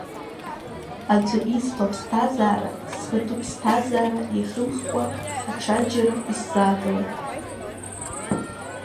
Аӡәы исҭо аԥсҭазара, схатәы ԥсҭазара иахымхкәа, аҽаџьара исзаагом.